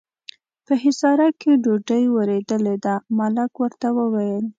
په حصارک کې ډوډۍ ورېدلې ده، ملک ورته وویل.